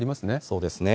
そうですね。